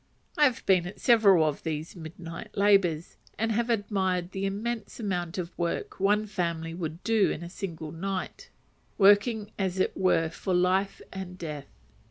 I have been at several of these midnight labours, and have admired the immense amount of work one family would do in a single night; working as it were for life and death.